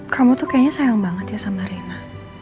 kamu tuh kayaknya sayang banget ya sama rena